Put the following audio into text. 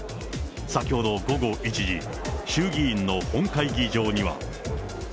先ほど午後１時、衆議院の本会議場には。